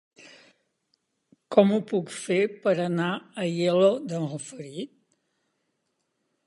Com ho puc fer per anar a Aielo de Malferit?